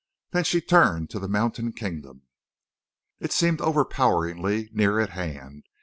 Then she turned to the mountain kingdom. It seemed overpoweringly near at hand.